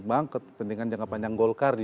bagaimana menurut anda